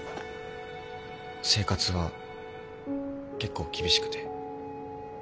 生活は結構厳しくて。